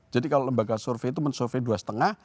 jadi kalau lembaga survei itu men survey dua lima hasilnya lima